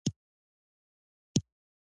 هغه ثابته کړه چې د تدبير خاوند دی.